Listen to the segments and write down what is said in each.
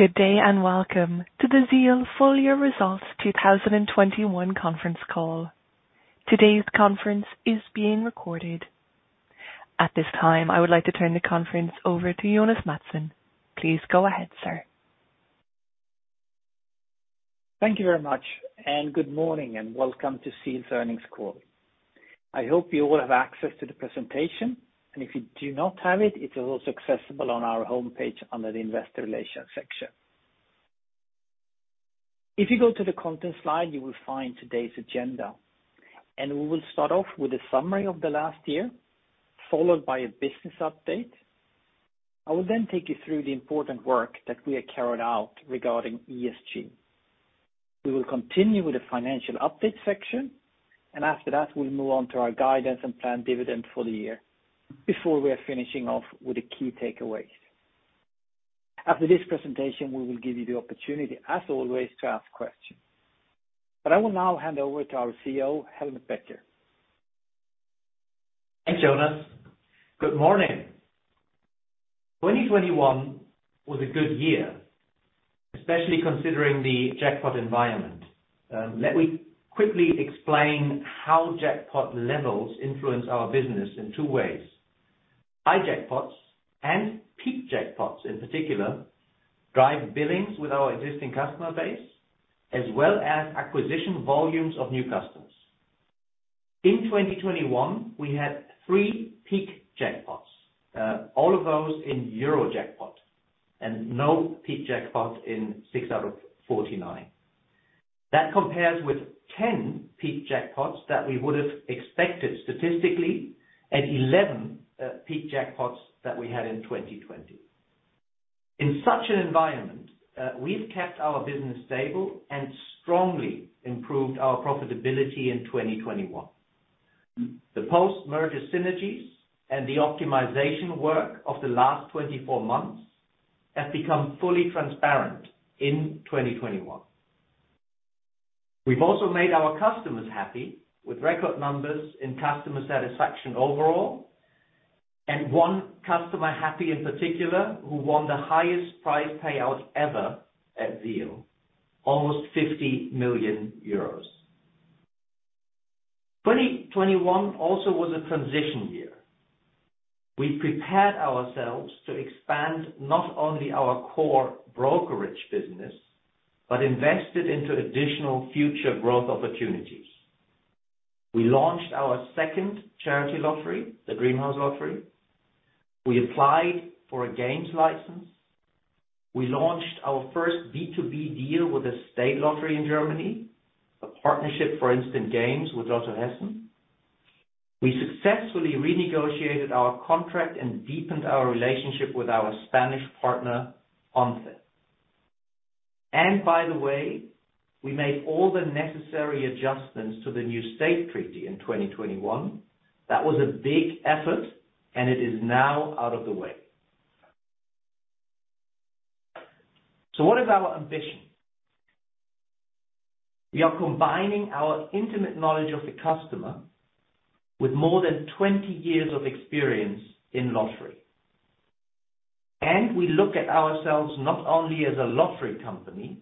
Good day and welcome to the ZEAL Full Year Results 2021 Conference Call. Today's conference is being recorded. At this time, I would like to turn the conference over to Jonas Mattsson. Please go ahead, sir. Thank you very much, and good morning and welcome to ZEAL's Earnings Call. I hope you all have access to the presentation, and if you do not have it is also accessible on our homepage under the Investor Relations section. If you go to the content slide, you will find today's agenda, and we will start off with a summary of the last year, followed by a business update. I will then take you through the important work that we have carried out regarding ESG. We will continue with the financial update section, and after that, we'll move on to our guidance and planned dividend for the year before we are finishing off with the key takeaways. After this presentation, we will give you the opportunity, as always, to ask questions. I will now hand over to our CEO, Helmut Becker. Thanks, Jonas. Good morning. 2021 was a good year, especially considering the jackpot environment. Let me quickly explain how jackpot levels influence our business in two ways. High jackpots and peak jackpots in particular drive billings with our existing customer base as well as acquisition volumes of new customers. In 2021, we had three peak jackpots, all of those in Eurojackpot and no peak jackpot in 6aus49. That compares with 10 peak jackpots that we would have expected statistically and 11 peak jackpots that we had in 2020. In such an environment, we've kept our business stable and strongly improved our profitability in 2021. The post-merger synergies and the optimization work of the last 24 months have become fully transparent in 2021. We've also made our customers happy with record numbers in customer satisfaction overall, and one customer happy in particular who won the highest prize payout ever at ZEAL, almost EUR 50 million. 2021 also was a transition year. We prepared ourselves to expand not only our core brokerage business, but invested into additional future growth opportunities. We launched our second charity lottery, the Dream House Raffle. We applied for a games license. We launched our first B2B deal with a state lottery in Germany, a partnership for instant games with LOTTO Hessen. We successfully renegotiated our contract and deepened our relationship with our Spanish partner, ONCE. By the way, we made all the necessary adjustments to the new gambling state treaty in 2021. That was a big effort, and it is now out of the way. What is our ambition? We are combining our intimate knowledge of the customer with more than 20 years of experience in lottery. We look at ourselves not only as a lottery company,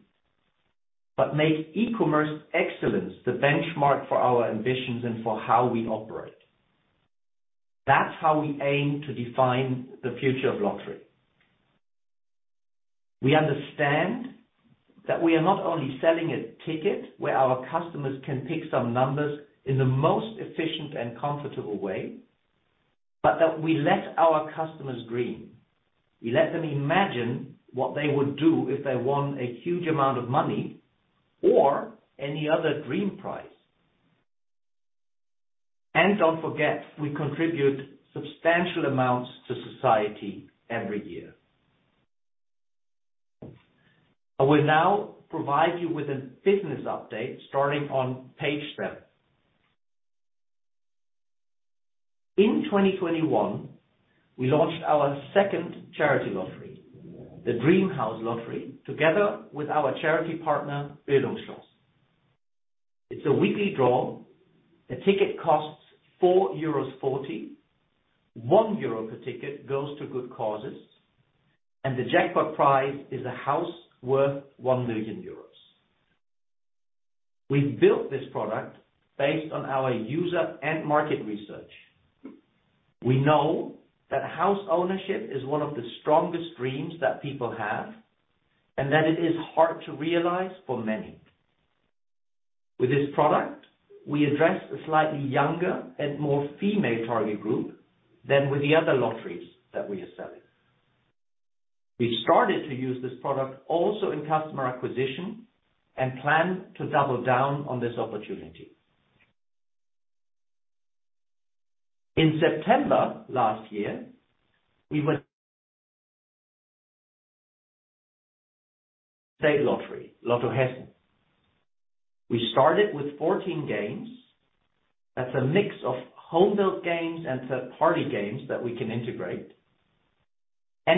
but make e-commerce excellence the benchmark for our ambitions and for how we operate. That's how we aim to define the future of lottery. We understand that we are not only selling a ticket where our customers can pick some numbers in the most efficient and comfortable way, but that we let our customers dream. We let them imagine what they would do if they won a huge amount of money or any other dream prize. Don't forget, we contribute substantial amounts to society every year. I will now provide you with a business update starting on page seven. In 2021, we launched our second charity lottery, the Dream House Raffle, together with our charity partner, Börde-Unstrut. It's a weekly draw. The ticket costs 4.40 euros. 1 euro per ticket goes to good causes, and the jackpot prize is a house worth 1 million euros. We built this product based on our user and market research. We know that house ownership is one of the strongest dreams that people have and that it is hard to realize for many. With this product, we address a slightly younger and more female target group than with the other lotteries that we are selling. We started to use this product also in customer acquisition and plan to double down on this opportunity. In September last year, we went state lottery, LOTTO Hessen. We started with 14 games. That's a mix of home-built games and third-party games that we can integrate.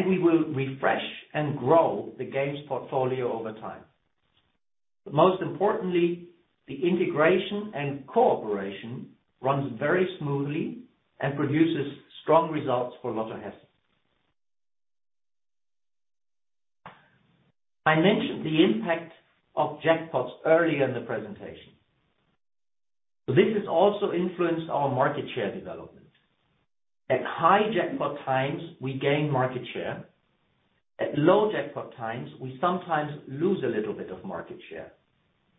We will refresh and grow the games portfolio over time. But most importantly, the integration and cooperation runs very smoothly and produces strong results for LOTTO Hessen. I mentioned the impact of jackpots earlier in the presentation. This has also influenced our market share development. At high jackpot times, we gain market share. At low jackpot times, we sometimes lose a little bit of market share,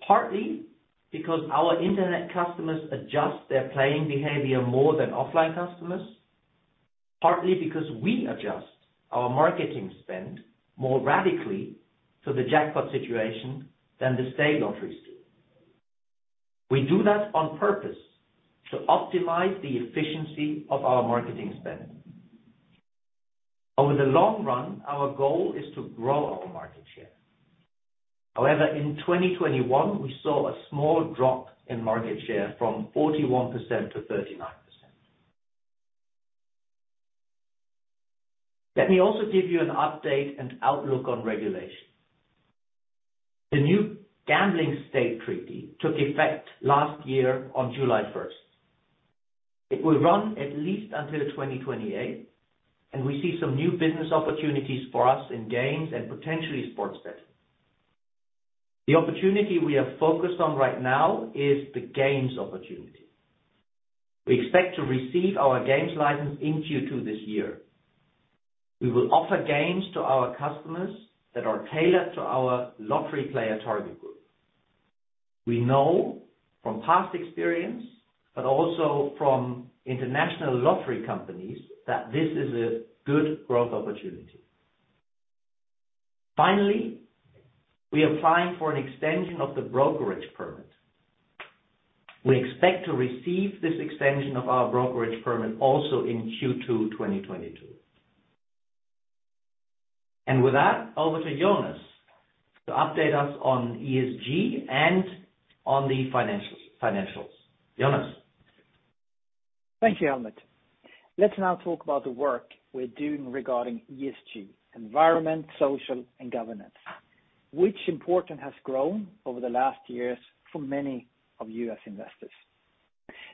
partly because our internet customers adjust their playing behavior more than offline customers, partly because we adjust our marketing spend more radically to the jackpot situation than the state lotteries do. We do that on purpose to optimize the efficiency of our marketing spend. Over the long run, our goal is to grow our market share. However, in 2021, we saw a small drop in market share from 41%-39%. Let me also give you an update and outlook on regulation. The new gambling state treaty took effect last year on July 1st. It will run at least until 2028, and we see some new business opportunities for us in games and potentially sports betting. The opportunity we are focused on right now is the games opportunity. We expect to receive our games license in Q2 this year. We will offer games to our customers that are tailored to our lottery player target group. We know from past experience, but also from international lottery companies, that this is a good growth opportunity. Finally, we applied for an extension of the brokerage permit. We expect to receive this extension of our brokerage permit also in Q2 2022. With that, over to Jonas to update us on ESG and on the financials. Jonas. Thank you, Helmut. Let's now talk about the work we're doing regarding ESG, environment, social, and governance, which importance has grown over the last years for many of you as investors.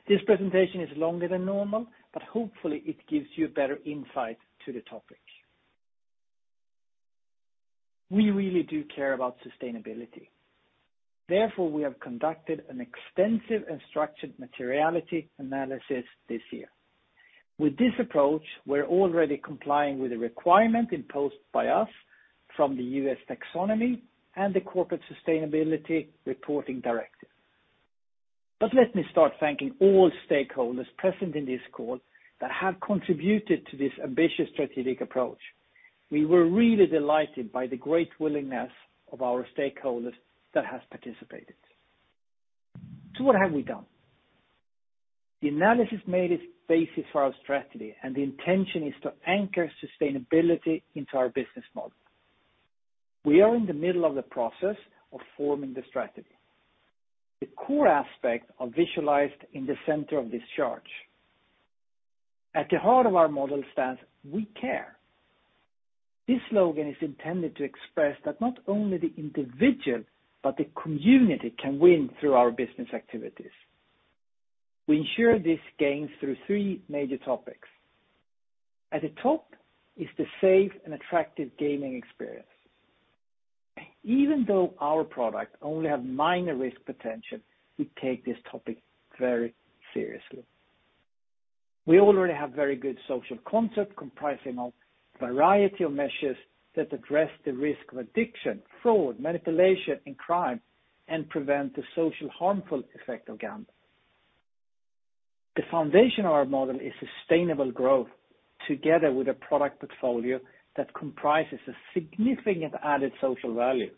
This presentation is longer than normal, but hopefully it gives you a better insight to the topic. We really do care about sustainability. Therefore, we have conducted an extensive and structured materiality analysis this year. With this approach, we're already complying with the requirement imposed on us by the EU Taxonomy and the Corporate Sustainability Reporting Directive. Let me start thanking all stakeholders present in this call that have contributed to this ambitious strategic approach. We were really delighted by the great willingness of our stakeholders that has participated. What have we done? The analysis made a basis for our strategy, and the intention is to anchor sustainability into our business model. We are in the middle of the process of forming the strategy. The core aspects are visualized in the center of this chart. At the heart of our model stands "We Care". This slogan is intended to express that not only the individual, but the community can win through our business activities. We ensure these gains through three major topics. At the top is the safe and attractive gaming experience. Even though our products only have minor risk potential, we take this topic very seriously. We already have very good social concept comprising of variety of measures that address the risk of addiction, fraud, manipulation, and crime, and prevent the social harmful effect of gambling. The foundation of our model is sustainable growth together with a product portfolio that comprises a significant added social value.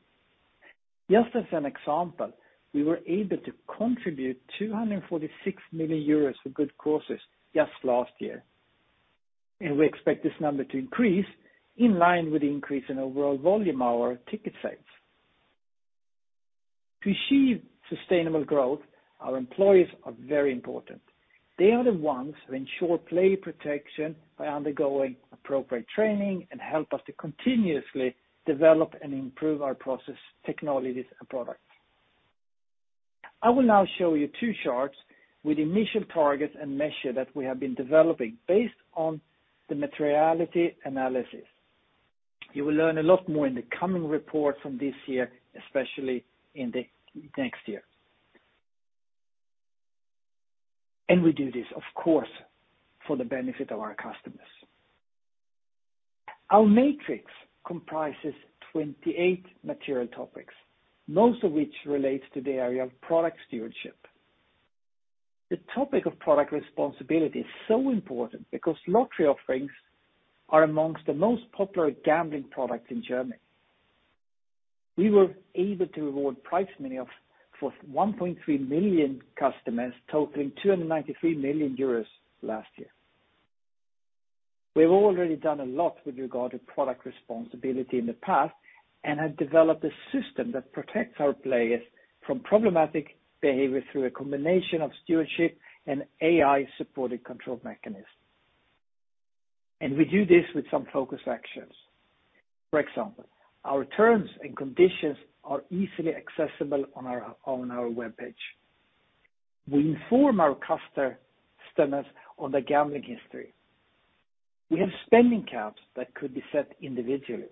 Just as an example, we were able to contribute 246 million euros for good causes just last year, and we expect this number to increase in line with the increase in overall volume of our ticket sales. To achieve sustainable growth, our employees are very important. They are the ones who ensure player protection by undergoing appropriate training and help us to continuously develop and improve our process, technologies, and products. I will now show you two charts with initial targets and measures that we have been developing based on the materiality analysis. You will learn a lot more in the coming report from this year, especially in the next year. We do this, of course, for the benefit of our customers. Our matrix comprises 28 material topics, most of which relates to the area of product stewardship. The topic of product responsibility is so important because lottery offerings are among the most popular gambling products in Germany. We were able to reward prize money for 1.3 million customers totaling 293 million euros last year. We've already done a lot with regard to product responsibility in the past and have developed a system that protects our players from problematic behavior through a combination of stewardship and AI-supported control mechanisms. We do this with some focus actions. For example, our terms and conditions are easily accessible on our webpage. We inform our customers on their gambling history. We have spending caps that could be set individually,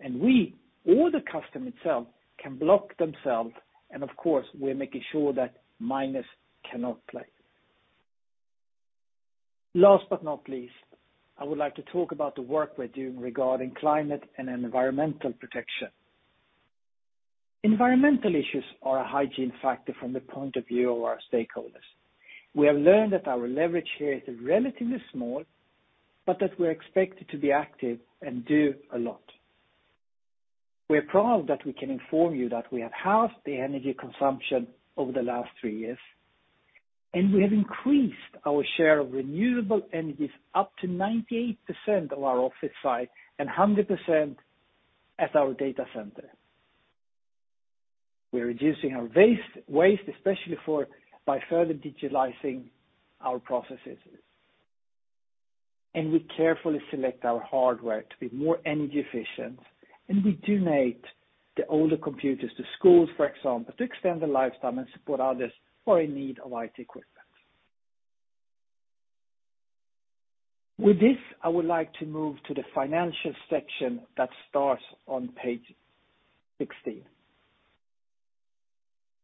and we or the customer itself can block themselves, and of course, we are making sure that minors cannot play. Last but not least, I would like to talk about the work we're doing regarding climate and environmental protection. Environmental issues are a hygiene factor from the point of view of our stakeholders. We have learned that our leverage here is relatively small, but that we're expected to be active and do a lot. We're proud that we can inform you that we have halved the energy consumption over the last 3 years, and we have increased our share of renewable energies up to 98% of our office site and 100% at our data center. We're reducing our waste especially by further digitalizing our processes. We carefully select our hardware to be more energy efficient, and we donate the older computers to schools, for example, to extend their lifetime and support others who are in need of IT equipment. With this, I would like to move to the financial section that starts on page 16.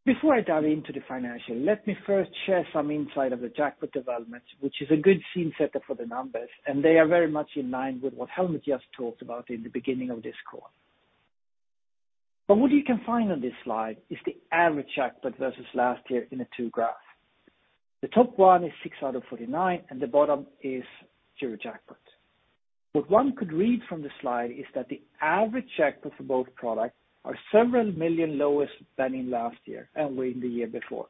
Before I dive into the financial, let me first share some insight of the jackpot development, which is a good scene setter for the numbers, and they are very much in line with what Helmut just talked about in the beginning of this call. What you can find on this slide is the average jackpot versus last year in two graphs. The top one is 6aus49, and the bottom is Eurojackpot. What one could read from the slide is that the average jackpot for both products are several million lower than in last year, than the year before.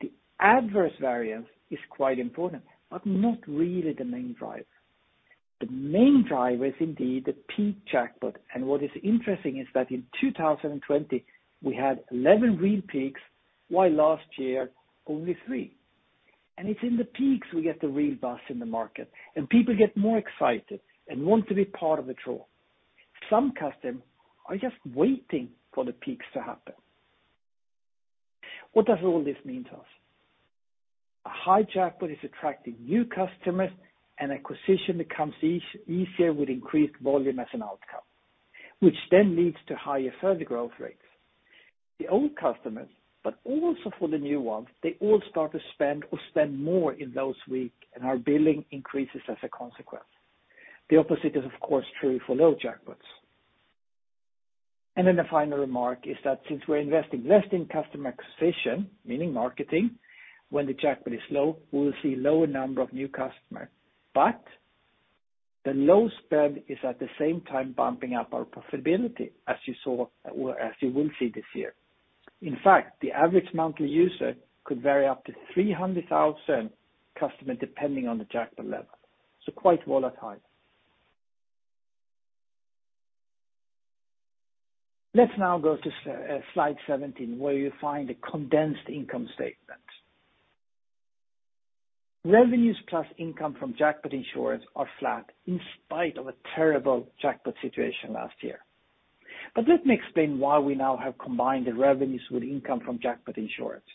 The adverse variance is quite important, but not really the main driver. The main driver is indeed the peak jackpot, and what is interesting is that in 2020, we had 11 real peaks, while last year, only three. It's in the peaks we get the real buzz in the market, and people get more excited and want to be part of the draw. Some customers are just waiting for the peaks to happen. What does all this mean to us? A high jackpot is attracting new customers and acquisition becomes easier with increased volume as an outcome, which then leads to higher further growth rates. The old customers, but also for the new ones, they all start to spend or spend more in those weeks, and our billing increases as a consequence. The opposite is of course true for low jackpots. Then the final remark is that since we're investing less in customer acquisition, meaning marketing, when the jackpot is low, we will see lower number of new customers. The low spend is at the same time bumping up our profitability, as you saw or as you will see this year. In fact, the average monthly user could vary up to 300,000 customers, depending on the jackpot level. Quite volatile. Let's now go to slide 17, where you find a condensed income statement. Revenues plus income from jackpot insurance are flat in spite of a terrible jackpot situation last year. Let me explain why we now have combined the revenues with income from jackpot insurance.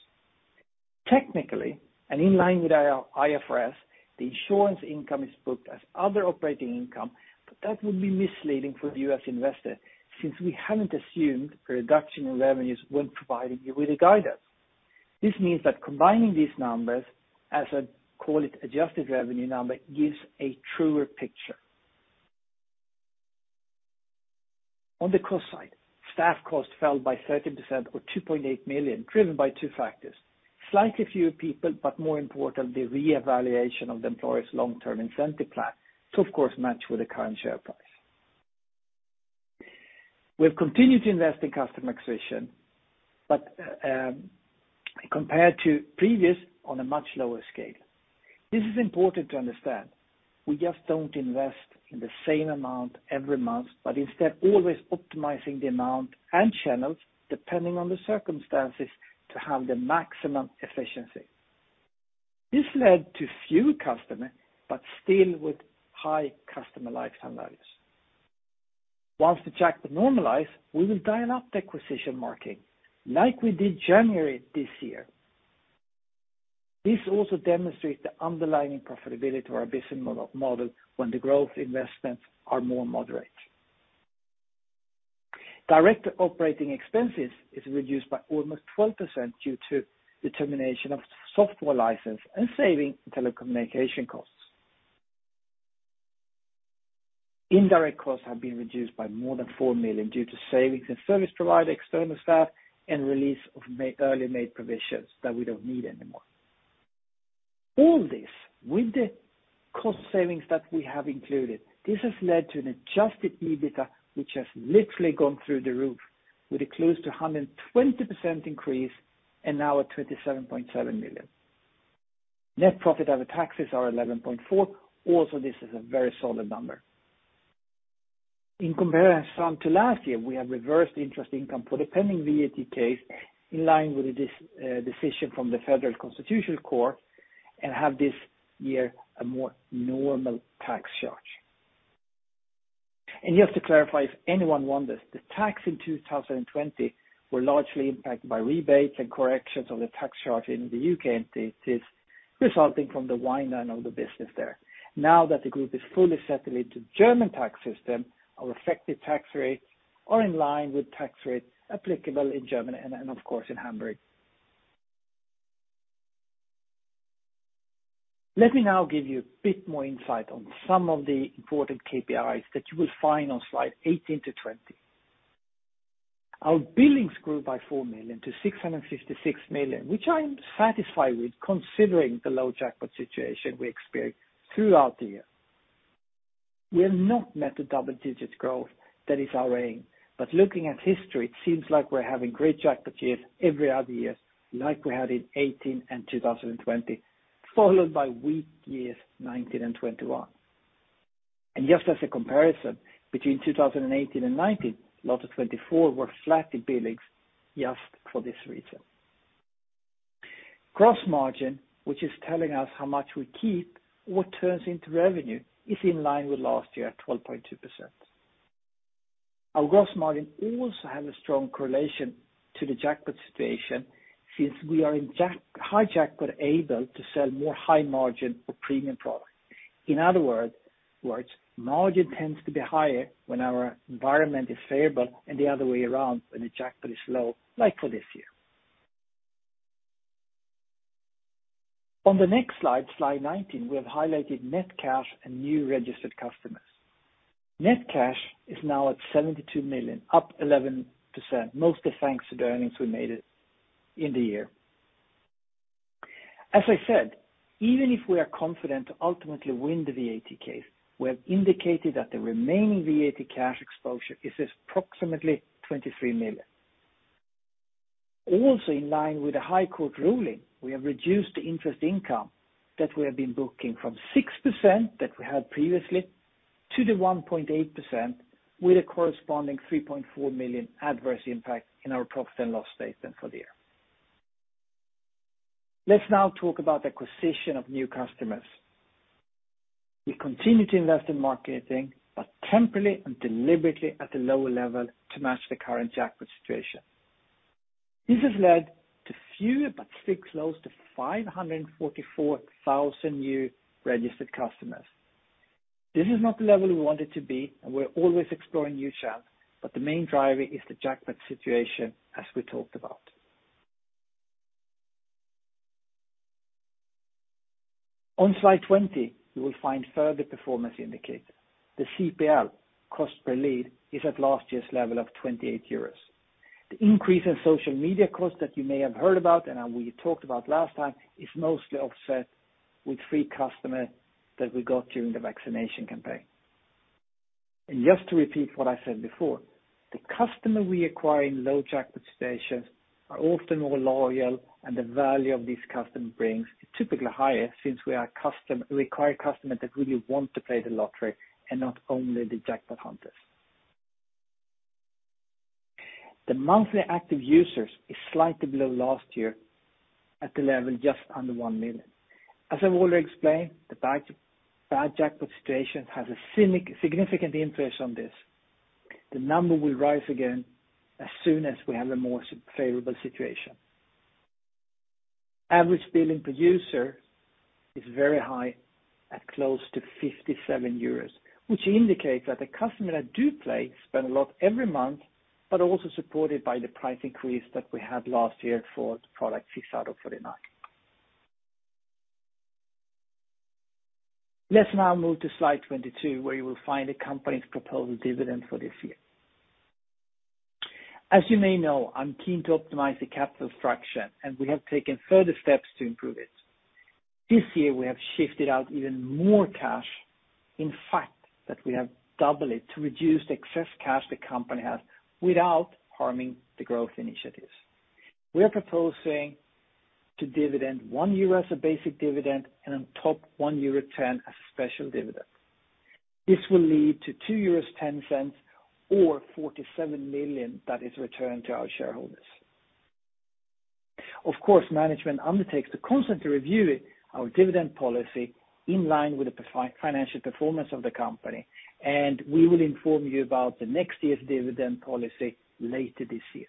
Technically, and in line with our IFRS, the insurance income is booked as other operating income, but that would be misleading for the U.S. investor since we haven't assumed a reduction in revenues when providing you with a guidance. This means that combining these numbers, as I call it, adjusted revenue number, gives a truer picture. On the cost side, staff costs fell by 13% or 2.8 million, driven by two factors. Slightly fewer people, but more important, the reevaluation of the employees' long-term incentive plan to, of course, match with the current share price. We've continued to invest in customer acquisition, but compared to previous, on a much lower scale. This is important to understand. We just don't invest in the same amount every month, but instead always optimizing the amount and channels depending on the circumstances to have the maximum efficiency. This led to few customers, but still with high customer lifetime values. Once the jackpot normalize, we will dial up the acquisition marketing like we did January this year. This also demonstrates the underlying profitability of our business model when the growth investments are more moderate. Direct operating expenses is reduced by almost 12% due to the termination of software license and saving telecommunication costs. Indirect costs have been reduced by more than 4 million due to savings in service provider, external staff, and release of early made provisions that we don't need anymore. All this with the cost savings that we have included, this has led to an adjusted EBITDA, which has literally gone through the roof with a close to 120% increase and now at 27.7 million. Net profit after taxes are 11.4. This is a very solid number. In comparison to last year, we have reversed interest income for the pending VAT case in line with the decision from the Federal Constitutional Court, and have this year a more normal tax charge. Just to clarify, if anyone wonders, the tax in 2020 were largely impacted by rebates and corrections of the tax charge in the UK entities resulting from the wind down of the business there. Now that the group is fully settled into German tax system, our effective tax rates are in line with tax rates applicable in Germany and of course in Hamburg. Let me now give you a bit more insight on some of the important KPIs that you will find on slide 18-20. Our billings grew by 4 million to 656 million, which I am satisfied with considering the low jackpot situation we experienced throughout the year. We have not met the double-digit growth that is our aim. Looking at history, it seems like we're having great jackpot years every other year like we had in 2018 and 2020, followed by weak years 2019 and 2021. Just as a comparison, between 2018 and 2019, LOTTO24 were flat in billings just for this reason. Gross margin, which is telling us how much we keep or turns into revenue, is in line with last year at 12.2%. Our gross margin also has a strong correlation to the jackpot situation since we are in high jackpot able to sell more high margin or premium product. In other words, margin tends to be higher when our environment is favorable and the other way around when the jackpot is low, like for this year. On the next slide 19, we have highlighted net cash and new registered customers. Net cash is now at 72 million, up 11%, mostly thanks to the earnings we made in the year. As I said, even if we are confident to ultimately win the VAT case, we have indicated that the remaining VAT cash exposure is approximately 23 million. Also, in line with the High Court ruling, we have reduced the interest income that we have been booking from 6% that we had previously to the 1.8% with a corresponding 3.4 million adverse impact in our profit and loss statement for the year. Let's now talk about acquisition of new customers. We continue to invest in marketing, but temporarily and deliberately at a lower level to match the current jackpot situation. This has led to fewer but still close to 544,000 new registered customers. This is not the level we want it to be, and we're always exploring new channels, but the main driver is the jackpot situation as we talked about. On slide 20, you will find further performance indicators. The CPL, cost per lead, is at last year's level of 28 euros. The increase in social media costs that you may have heard about, and we talked about last time is mostly offset with free customers that we got during the vaccination campaign. Just to repeat what I said before, the customer we acquire in low jackpot situations are often more loyal, and the value of these customer brings is typically higher since we are require customer that really want to play the lottery and not only the jackpot hunters. The monthly active users is slightly below last year at the level just under 1 million. As I've already explained, the bad jackpot situation has a significant impact on this. The number will rise again as soon as we have a more favorable situation. Average billing per user is very high at close to 57 euros, which indicates that the customer that do play spend a lot every month, but also supported by the price increase that we had last year for the product 6aus49. Let's now move to slide 22, where you will find the company's proposed dividend for this year. As you may know, I'm keen to optimize the capital structure, and we have taken further steps to improve it. This year, we have shifted out even more cash. In fact, we have doubled it to reduce the excess cash the company has without harming the growth initiatives. We are proposing to dividend 1 of basic dividend and on top 1.10 as special dividend. This will lead to 2.10 euros or 47 million that is returned to our shareholders. Of course, management undertakes to constantly review our dividend policy in line with the financial performance of the company, and we will inform you about the next year's dividend policy later this year.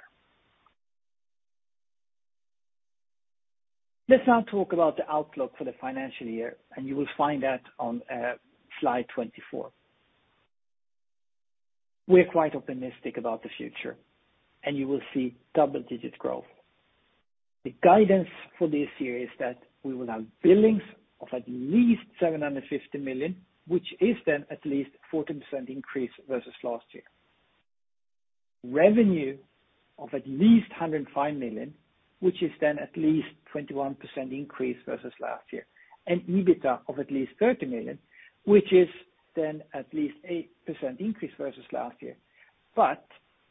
Let's now talk about the outlook for the financial year, and you will find that on slide 24. We're quite optimistic about the future, and you will see double-digit growth. The guidance for this year is that we will have billings of at least 750 million, which is then at least 14% increase versus last year. Revenue of at least 105 million, which is then at least 21% increase versus last year. EBITDA of at least 30 million, which is then at least 8% increase versus last year.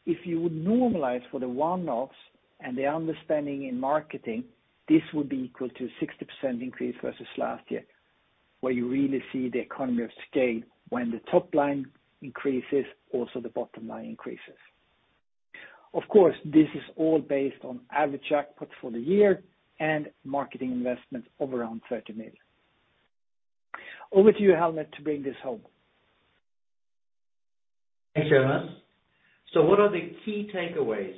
If you would normalize for the one-offs and the underspending in marketing, this would be equal to 60% increase versus last year. You really see the economy of scale when the top line increases, also the bottom line increases. Of course, this is all based on average jackpot for the year and marketing investment of around 30 million. Over to you, Helmut, to bring this home. Thanks, Jonas. What are the key takeaways?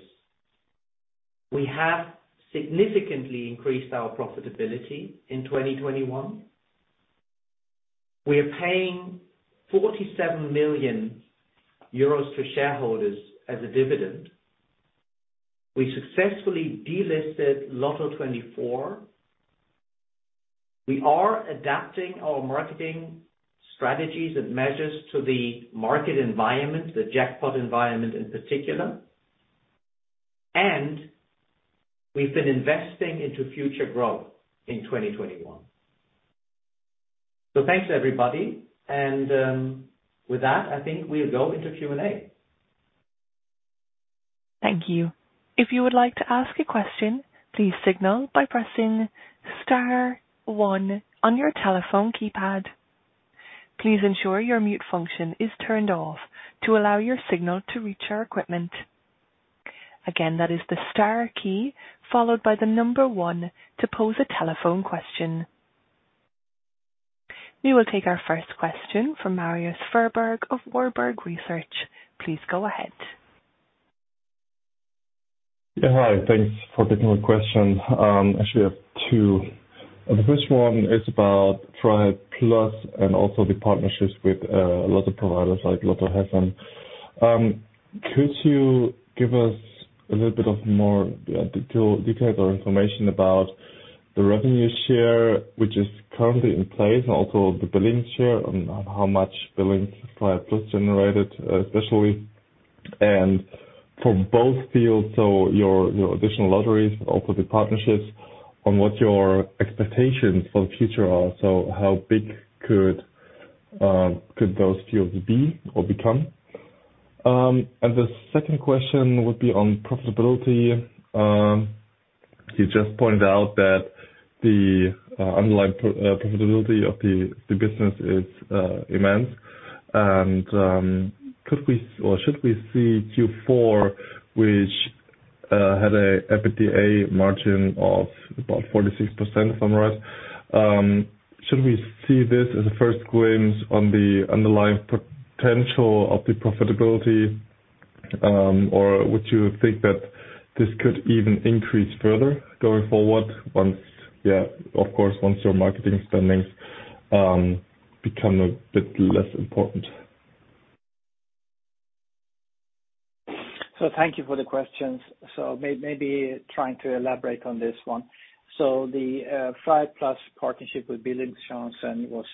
We have significantly increased our profitability in 2021. We are paying 47 million euros to shareholders as a dividend. We successfully delisted LOTTO24. We are adapting our marketing strategies and measures to the market environment, the jackpot environment in particular. We've been investing into future growth in 2021. Thanks, everybody, and with that, I think we'll go into Q&A. Thank you. If you would like to ask a question, please signal by pressing star one on your telephone keypad. Please ensure your mute function is turned off to allow your signal to reach our equipment. Again, that is the star key followed by the number one to pose a telephone question. We will take our first question from Marius Fuhrberg of Warburg Research. Please go ahead. Yeah, hi. Thanks for taking my question. Actually, I have two. The first one is about freiheit+ and also the partnerships with lotto providers like LOTTO Hessen. Could you give us a little bit more details or information about the revenue share, which is currently in place, and also the billing share on how much billings freiheit+ generated, especially? For both fields, so your additional lotteries, but also the partnerships on what your expectations for the future are. So how big could those fields be or become? The second question would be on profitability. You just pointed out that the underlying profitability of the business is immense. Could we or should we see Q4, which had a EBITDA margin of about 46% from us? Should we see this as a first glimpse on the underlying potential of the profitability, or would you think that this could even increase further going forward once your marketing spending become a bit less important? Thank you for the questions. Maybe trying to elaborate on this one. The freiheit+ partnership with BildungsChancen was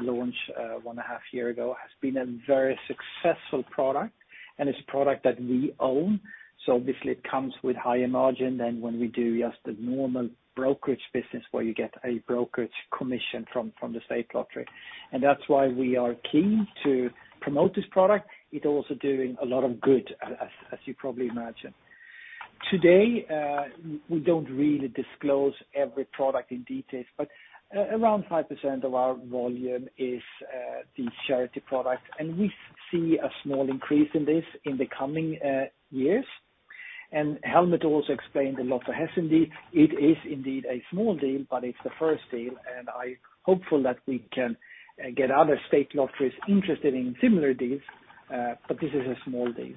launched 1.5 years ago, has been a very successful product. It's a product that we own. Obviously it comes with higher margin than when we do just the normal brokerage business where you get a brokerage commission from the state lottery. That's why we are keen to promote this product. It also doing a lot of good, as you probably imagine. Today we don't really disclose every product in detail, but around 5% of our volume is the charity product, and we see a small increase in this in the coming years. Helmut also explained the LOTTO Hessen deal. It is indeed a small deal, but it's the first deal, and I'm hopeful that we can get other state lotteries interested in similar deals. This is a small deal.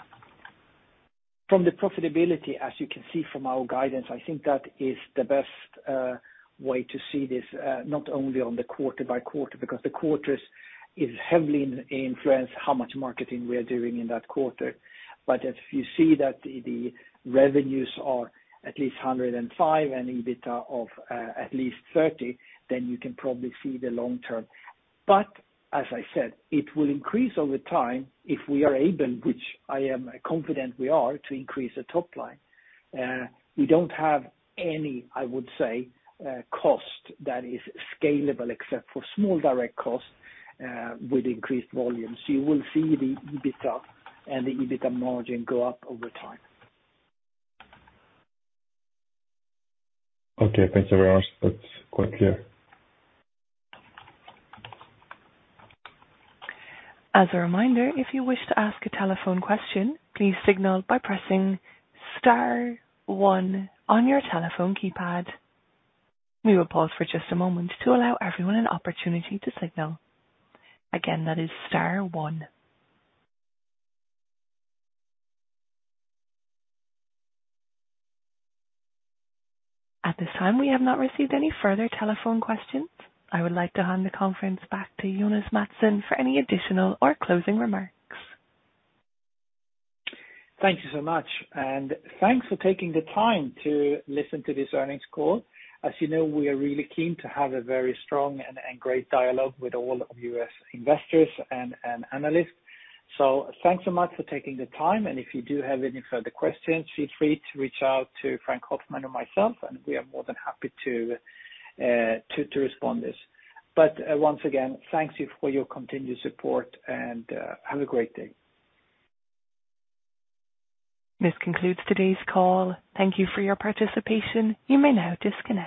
From the profitability, as you can see from our guidance, I think that is the best way to see this, not only on the quarter-by-quarter, because the quarters is heavily influenced how much marketing we are doing in that quarter. If you see that the revenues are at least 105 and EBITDA of at least 30, then you can probably see the long term. As I said, it will increase over time if we are able, which I am confident we are, to increase the top line. We don't have any, I would say, cost that is scalable except for small direct costs with increased volumes. You will see the EBITDA and the EBITDA margin go up over time. Okay, thanks very much. That's quite clear. As a reminder, if you wish to ask a telephone question, please signal by pressing star one on your telephone keypad. We will pause for just a moment to allow everyone an opportunity to signal. Again, that is star one. At this time, we have not received any further telephone questions. I would like to hand the conference back to Jonas Mattsson for any additional or closing remarks. Thank you so much, and thanks for taking the time to listen to this earnings call. As you know, we are really keen to have a very strong and great dialogue with all of you as investors and analysts. Thanks so much for taking the time, and if you do have any further questions, feel free to reach out to Frank Hoffmann or myself, and we are more than happy to respond to this. Once again, thank you for your continued support and have a great day. This concludes today's call. Thank you for your participation. You may now disconnect.